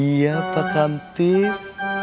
iya pak khamtif